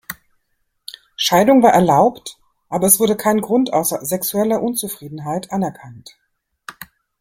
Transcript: Scheidung war erlaubt, aber es wurde kein Grund außer "sexueller Unzufriedenheit" anerkannt.